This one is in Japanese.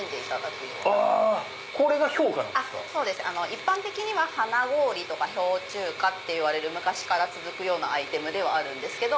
一般的には花氷とか氷中花って言われる昔から続くアイテムではあるんですけど。